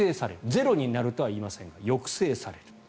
ゼロになるとは言いませんが抑制される。